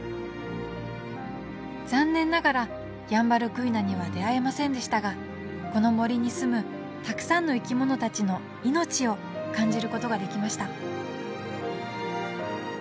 残念ながらヤンバルクイナには出会えませんでしたがこの森に住むたくさんの生き物たちの命を感じることができました